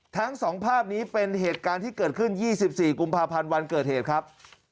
ทั้ง๒ภาพนี้เป็นเหตุการณ์ที่เกิดขึ้น๒๔กุมภาพันธ์วันเกิดเหตุครับ